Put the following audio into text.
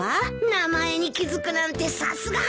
名前に気付くなんてさすが早川さん。